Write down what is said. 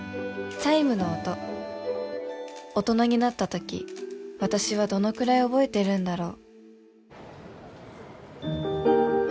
チャイムの音大人になったとき私はどのくらい覚えてるんだろう・